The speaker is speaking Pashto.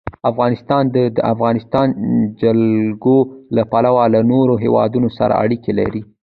افغانستان د د افغانستان جلکو له پلوه له نورو هېوادونو سره اړیکې لري.